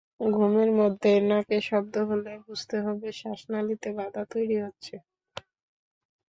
ঘুমের মধ্যে নাকে শব্দ হলে বুঝতে হবে শ্বাসনালিতে বাধা তৈরি হচ্ছে।